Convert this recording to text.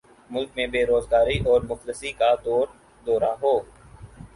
ملک میں بیروزگاری اور مفلسی کا دور دورہ ہو